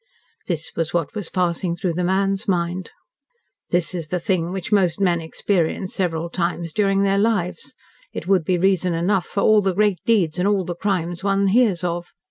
This was what was passing through the man's mind. "This is the thing which most men experience several times during their lives. It would be reason enough for all the great deeds and all the crimes one hears of.